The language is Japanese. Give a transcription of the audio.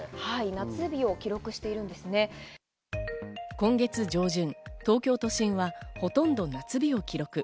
今月上旬、東京都心はほとんど夏日を記録。